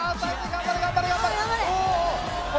頑張れ頑張れ頑張れおおっ。